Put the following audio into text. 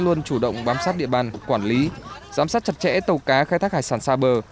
luôn chủ động bám sát địa bàn quản lý giám sát chặt chẽ tàu cá khai thác hải sản xa bờ